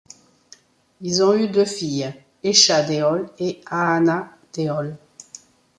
Ils ont eu deux filles Esha Deol et Ahana Deol.